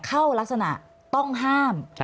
เข้ารักษณะต้องห้าม